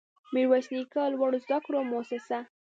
ميرويس نيکه لوړو زده کړو مؤسسه